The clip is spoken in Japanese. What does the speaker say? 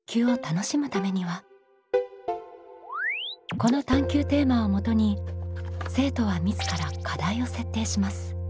この探究テーマをもとに生徒は自ら課題を設定します。